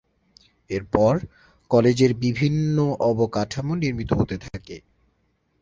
এরপর কলেজের বিভিন্ন অবকাঠামো নির্মিত হতে থাকে।